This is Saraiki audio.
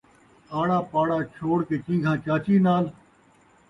آڑا پاڑا چھوڑ کے چین٘گھاں چاچی نال